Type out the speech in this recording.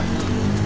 bunga buat siapa